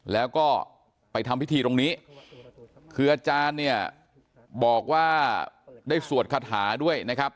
แล้วก็ไปทำพิธีตรงนี้คืออาจารย์เนี่ยบอกว่าได้สวดคาถาด้วยนะครับ